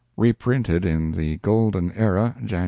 [Reprinted in the Golden Era, JAN.